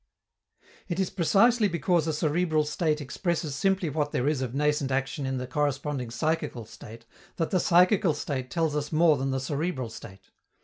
It is precisely because a cerebral state expresses simply what there is of nascent action in the corresponding psychical state, that the psychical state tells us more than the cerebral state.